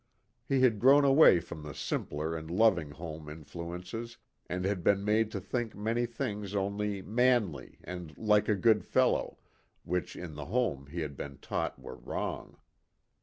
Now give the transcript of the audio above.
He had grown away from the simpler and loving home influ ences and had been made to think many things only " manly " and " like a good fellow " which in the home he had been taught were wrong.